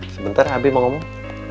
sebentar abi mau ngomong